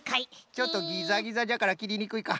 ちょっとギザギザじゃからきりにくいか。